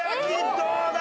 どうだ！？